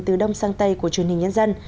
từ đông sang tây của truyền hình nhân dân